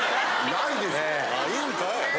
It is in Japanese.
ないんかい。